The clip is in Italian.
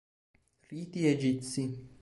Riti Egizi.